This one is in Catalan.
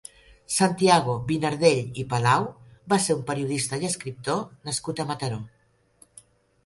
Santiago Vinardell i Palau va ser un periodista i escriptor nascut a Mataró.